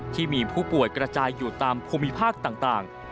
ที่มีผู้ป่วยกระจายอยู่ตามภูมิภาคต่าง